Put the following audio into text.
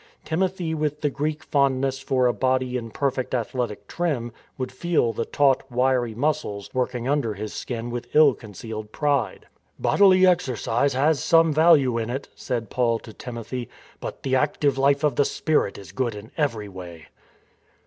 Timothy with the Greek fondness for a body in perfect athletic trim would feel the taut, wiry muscles working under his skin with ill concealed pride. " Bodily exercise has some value in it," ^ said Paul to Timothy, " but the active life of the spirit is good in every way."